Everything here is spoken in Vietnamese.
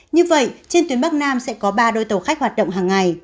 như vậy trên tuyến bắc nam sẽ có ba đôi tàu khách hoạt động hàng ngày